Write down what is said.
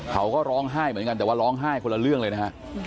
เขาก็ร้องไห้เหมือนกันแต่ว่าร้องไห้คนละเรื่องเลยนะฮะ